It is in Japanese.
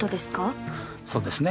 そうですね。